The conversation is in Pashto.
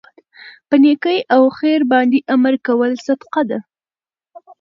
په نيکۍ او خیر باندي امر کول صدقه ده